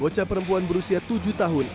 bocah perempuan berusia tujuh tahun